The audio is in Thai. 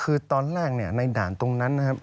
คือตอนแรกเนี่ยในด่านตรงนั้นนะครับ